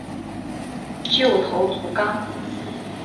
旧头足纲